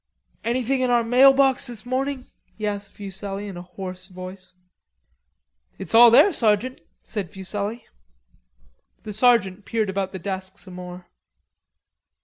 "Anything in our mailbox this morning?" he asked Fuselli in a hoarse voice. "It's all there, sergeant," said Fuselli. The sergeant peered about the desk some more.